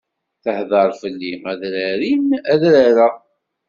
Tehdeṛ fell-i adrar-in adrar-a.